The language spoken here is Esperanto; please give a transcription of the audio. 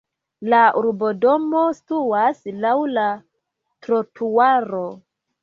La urbodomo situas laŭ la trotuaro.